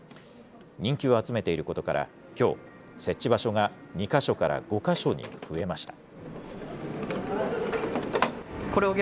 人気を集めていることから、きょう、設置場所が２か所から５か所に増えました。